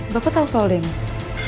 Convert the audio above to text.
bapak tau soal deniz